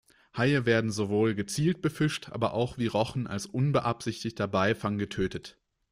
Haie werden sowohl gezielt befischt aber auch, wie Rochen, als unbeabsichtigter Beifang getötet.